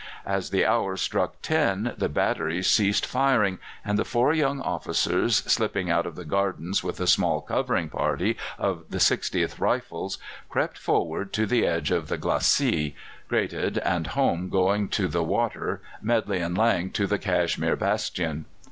As the hour struck ten the batteries ceased firing, and the four young officers, slipping out of the gardens with a small covering party of the 60th Rifles, crept forward to the edge of the glacis, Greathed and Home going to the Water, Medley and Lang to the Cashmere Bastion.